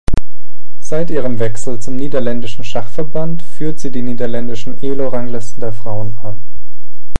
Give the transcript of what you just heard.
Seit ihrem Wechsel zum niederländischen Schachverband führt sie die niederländische Elo-Rangliste der Frauen an.